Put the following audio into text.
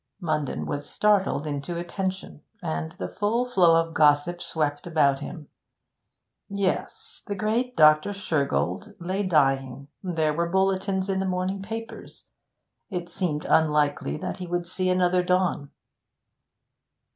Munden was startled into attention, and the full flow of gossip swept about him. Yes, the great Dr. Shergold lay dying; there were bulletins in the morning papers; it seemed unlikely that he would see another dawn.